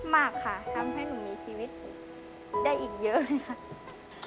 มากค่ะทำให้หนูมีชีวิตได้อีกเยอะเลยค่ะ